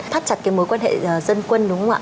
thắt chặt cái mối quan hệ dân quân đúng không ạ